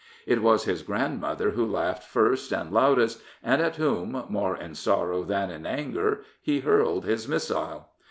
It was his grandmother who laughed first and loudest, and at whom, more in sorrow than in anger, he hurled his missile.